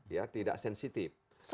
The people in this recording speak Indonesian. ya tidak sensitif